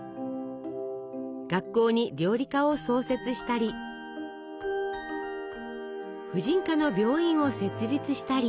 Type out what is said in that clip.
学校に料理科を創設したり婦人科の病院を設立したり。